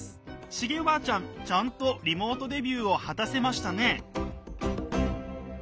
シゲおばあちゃんちゃんとリモートデビューを果たせましたね。